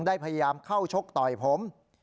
ได้พยายามเข้าชกต่อยผม